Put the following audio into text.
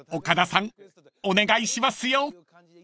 ［岡田さんお願いしますよ］